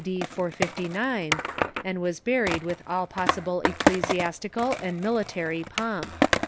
d. 459, and was buried with all possible ecclesiastical and military pomp.